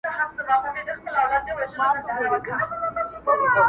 o دوې هندواڼې په يوه لاس نه اخيستل کېږي!